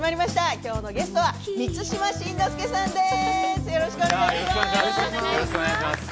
きょうのゲストは満島真之介さんです。